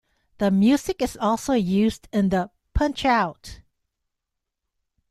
The music is also used in the Punch-Out!!